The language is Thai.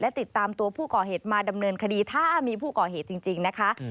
ติดตามตัวผู้ก่อเหตุมาดำเนินคดีถ้ามีผู้ก่อเหตุจริงนะคะ